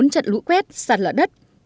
một mươi bốn trận lũ quét sạt lở đất